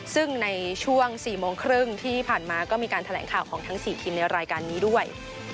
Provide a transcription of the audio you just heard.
ซึ่งในช่วง๔โมงครึ่งที่ผ่านมาก็มีการแถลงข่าวของทั้ง๔ทีมในรายการนี้ด้วย